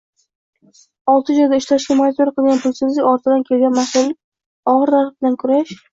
Olti joyda ishlashga majbur qilgan pulsizlik ortidan kelgan mashhurlik, og‘ir dard bilan kurash